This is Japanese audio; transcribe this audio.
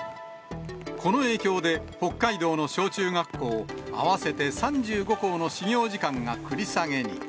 この影響で、北海道の小中学校合わせて３５校の始業時間が繰り下げに。